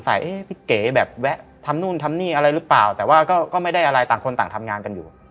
หรือเปล่าแต่ว่าก็ไม่ได้อะไรต่างคนต่างทำงานกันอยู่